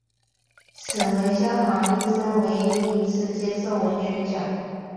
此为萧沆一生唯一一次接受文学奖。